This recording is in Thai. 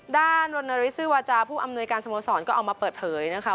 นนฤทธซื้อวาจาผู้อำนวยการสโมสรก็ออกมาเปิดเผยนะคะ